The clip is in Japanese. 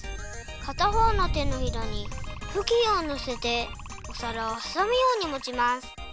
かたほうの手のひらにふきんをのせてお皿をはさむようにもちます。